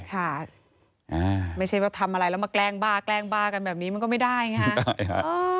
ค่ะไม่ใช่ว่าทำอะไรแล้วมาแกล้งบ้าแกล้งบ้ากันแบบนี้มันก็ไม่ได้ไง